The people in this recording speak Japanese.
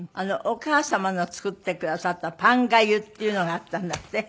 お母様の作ってくださったパンがゆっていうのがあったんだって？